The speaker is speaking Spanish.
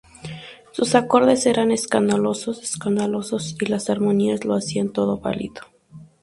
Sus acordes eran escandalosos, escandalosos, y las armonías lo hacían todo válido...